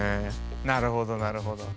なるほどなるほど。